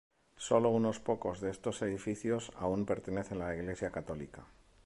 Sólo unos pocos de estos edificios aún pertenecen a la iglesia católica.